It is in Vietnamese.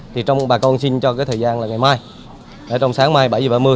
thì trong bà con xin cho thời gian là ngày mai trong sáng mai bảy h ba mươi